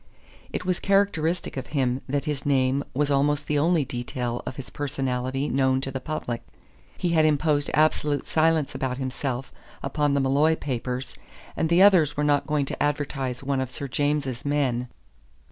It was characteristic of him that his name was almost the only detail of his personality known to the public. He had imposed absolute silence about himself upon the Molloy papers; and the others were not going to advertise one of Sir James's men.